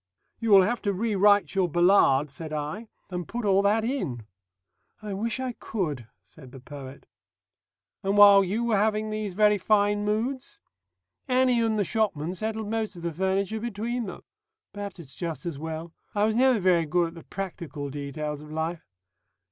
"You will have to rewrite your Ballade," said I, "and put all that in." "I wish I could," said the poet. "And while you were having these very fine moods?" "Annie and the shopman settled most of the furniture between them. Perhaps it's just as well. I was never very good at the practical details of life....